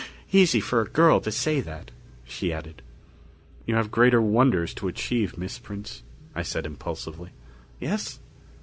"Easy for a girl to say that," she added. "You have greater wonders to achieve, Miss Prince," I said impulsively. "Yes?